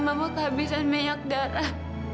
mama kehabisan minyak darah